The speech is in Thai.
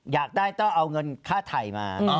อยากได้ต้องเอาเงินค่าไถ่มา